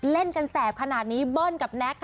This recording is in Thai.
เล่นกันแสบขนาดนี้เบิ้ลกับแน็กค่ะ